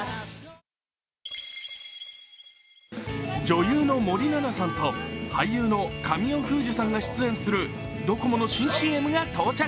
女優の森七菜さんと、俳優の神尾楓珠さんが出演するドコモの新ＣＭが到着。